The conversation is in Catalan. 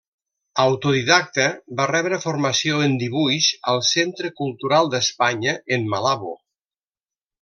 Autodidacta, va rebre formació en dibuix al Centre Cultural d'Espanya en Malabo.